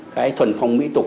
cái thuần phong mỹ tục